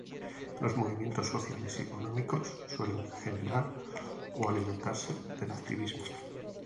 Los movimientos sociales y económicos suelen generar o alimentarse del activismo.